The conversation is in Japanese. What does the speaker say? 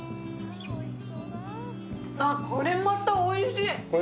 あっ、これまたおいしい。